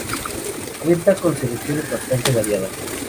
Cuenta con secciones bastante variadas.